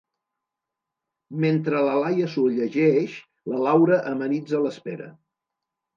Mentre la Laia s'ho llegeix, la Laura amenitza l'espera.